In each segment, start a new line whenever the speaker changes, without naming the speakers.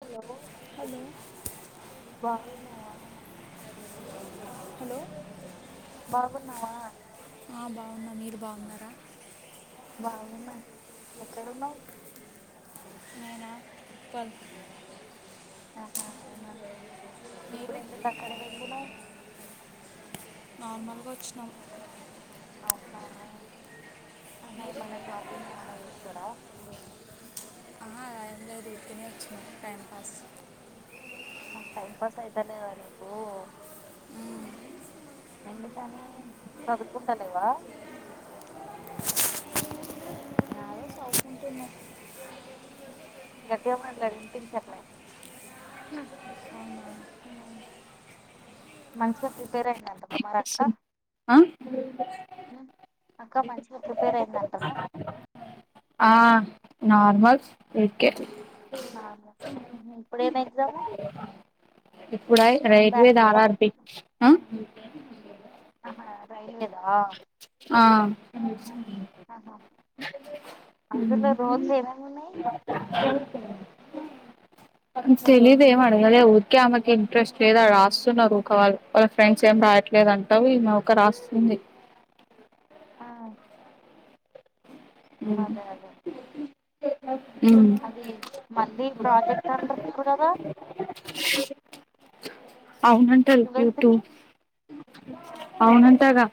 hello బగున్నావా
hello
బాగున్నావా
ఆ బాగున్న మీరు బాగున్నారా
బాగున్న ఎక్కడున్నవ్
నేనా ఉప్పల్
ఆహా అవునా ఇప్పుడు ఎందుకు అక్కడ వెళ్ళినవ్
నార్మల్గా ఒచ్చినం
అవునా ఆహా ఏమన్నా షాపింగ్ ఏమైనా చేస్తరా
లేదు ఊరికనే వచ్చినా టైంపాస్
టైం పాస్ అయిత లేదా నీకు ఎందుకనీ చదుకుంటలేవా గడ్డిగ మాట్లాడు ఇనిపించట్లే హూ మంచిగ ప్రిపేర్ అయిందంటన మరి అక్క
అ
ఉమ్, అక్క మంచిగా ప్రిపేర్ అయిందంటనా
ఆ నార్మల్ ఓకే
ఇప్పుడేం ఎగ్జాము
ఇప్పుడా రైల్వే
బ్యాంకుదా
దార్ ఆర్ బి
అహా రైల్వే దా
ఆ
ఆహా అందులో రోజు ఏమేమి ఉన్నాయి
తెలీదు ఏం అడగాలే ఊరికే ఆమెకి ఇంట్రెస్ట్ లేదా రాస్తున్నారు వాళ్ళ ఫ్రెండ్స్ ఏం రా యత్లేదంట ఈమోక రాస్తుంది
ఆ అదే అదే
ఉమ్
అది మళ్ళీ ప్రాజెక్ట్ అంటున్నారు కదా
అవునంటా
ట్వెల్త్ కి
యుట్యూబ్ అవునంటగా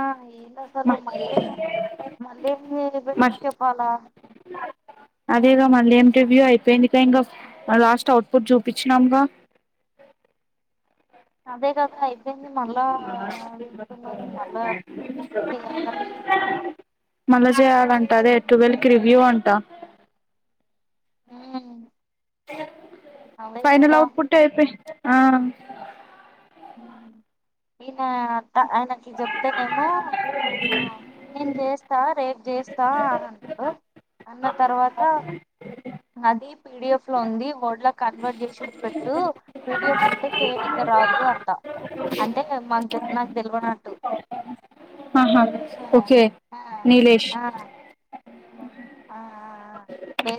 ఆ ఇలా
మ
సలు మళ్ళీ మళ్ళ
మ
బడ్క పాలా
అదేగా మళ్ళీ ఏమి రివ్యూ అయిపోయిందిక ఇంకా లాస్ట్ అవుట్ పుట్ చూపించినాముగా
అదే కదా అయి మళ్ళా చేయాలని
మళ్ళా చేయాలంట అదే
ఉమ్
టువెల్వ్ కి రివ్యూ అంటా
హ్
ఫైనల్ అవుట్ పుట్ అయిపోయి
ఈనా‌ ఆయనకి జబ్ అంతనేమో ఆ నేను చేస్తా రేపు చేస్తా అని అన్నాడు అన్న తర్వాత అది పిడిఎఫ్ లో ఉంది ఓడ్లా కన్వర్ట్ చేసి పెట్టు పిడిఎఫ్ ఉంటే చేయనికి రాదు అంట అంటే మాకు నాకు తెలవనట్టు
ఆహా
ఆ
ఓకే
ఆ
నిలేష్
ఆఆ బే